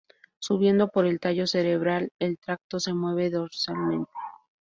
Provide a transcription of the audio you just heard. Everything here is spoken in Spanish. Subiendo por el tallo cerebral, el tracto se mueve dorsalmente.